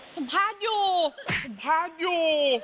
สัมภาษณ์อยู่